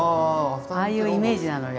ああいうイメージなのよ